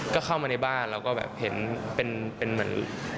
ก็เข้ามาในบ้านแล้วก็แบบเห็นเป็นเหมือน